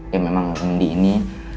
ya memang mindy ini